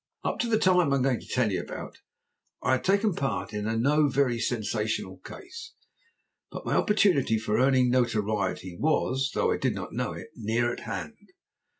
Up to the time I am going to tell you about I had taken part in no very sensational case. But my opportunity for earning notoriety was, though I did not know it, near at hand.